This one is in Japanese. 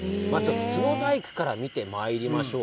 角細工から見てまいりましょう。